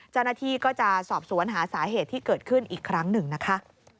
เจ้าหน้าที่ก็จะสอบสวนหาสาเหตุที่เกิดขึ้นอีกครั้งหนึ่งนะคะ